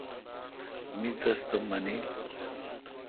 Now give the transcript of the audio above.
می تس تھ مانیل۔